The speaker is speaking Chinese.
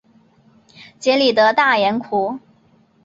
杰里德大盐湖。